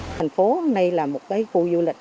thành phố này là một khu du lịch